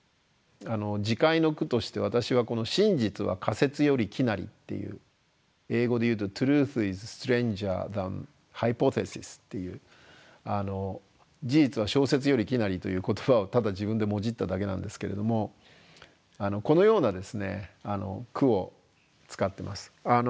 自戒の句として私は「真実は仮説より奇なり」っていう英語で言うと「Ｔｒｕｔｈｉｓｓｔｒａｎｇｅｒｔｈａｎｈｙｐｏｔｈｅｓｉｓ」っていう「事実は小説より奇なり」という言葉をただ自分でもじっただけなんですけれどもこのようなですね句を使ってます。